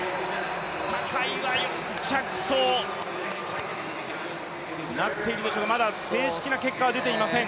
坂井は４着となっているでしょうかまだ正式な結果は出ていません。